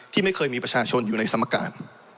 ที่ไม่เคยมีประชาชนอยู่ในสมการ